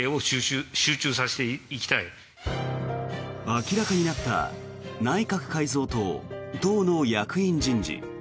明らかになった内閣改造と党の役員人事。